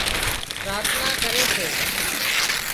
پراٿنا ڪري سي